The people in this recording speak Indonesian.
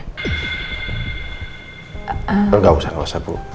kalau nggak usah nggak usah bu